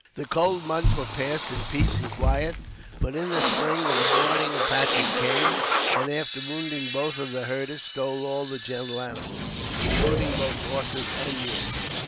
The cold months were passed in peace and quiet, but, in the spring the marauding Apaches came, and, after wounding both of the herders, stole all the gentle animals, including both horses and mules.